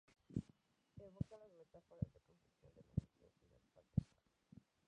Evoca las metáforas de construcción de la Nación y del patriarcado.